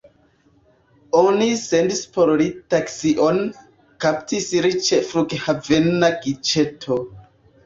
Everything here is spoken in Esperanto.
Oni sendis por li taksion, kaptis lin ĉe flughavena giĉeto.